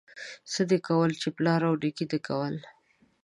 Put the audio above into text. څه دي کول، چې پلار او نيکه دي کول.